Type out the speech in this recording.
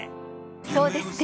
そうですね！